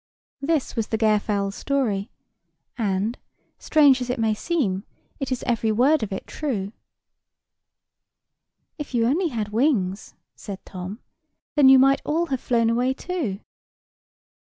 This was the Gairfowl's story, and, strange as it may seem, it is every word of it true. "If you only had had wings!" said Tom; "then you might all have flown away too."